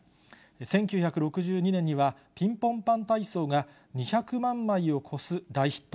１９６２年には、ピンポンパン体操が２００万枚を超す大ヒット。